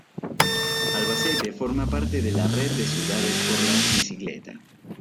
Albacete forma parte de la Red de Ciudades por la Bicicleta.